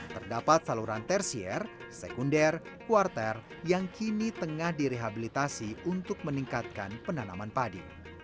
terdapat saluran tersier sekunder quarter yang kini tengah direhabilitasi untuk meningkatkan penanaman padi